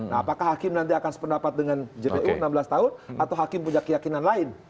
nah apakah hakim nanti akan sependapat dengan jpu enam belas tahun atau hakim punya keyakinan lain